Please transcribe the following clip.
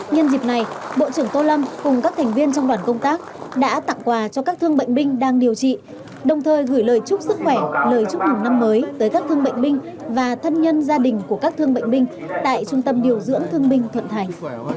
nhân dịp này bộ trưởng tô lâm cùng các thành viên trong đoàn công tác đã tặng quà cho các thương bệnh binh đang điều trị đồng thời gửi lời chúc sức khỏe lời chúc mừng năm mới tới các thương bệnh binh và thân nhân gia đình của các thương bệnh binh tại trung tâm điều dưỡng thương binh thuận thành